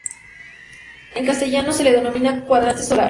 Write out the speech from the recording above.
En castellano se le denomina cuadrante solar.